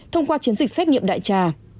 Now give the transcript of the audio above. thông qua chiến dịch xét nghiệm đại trà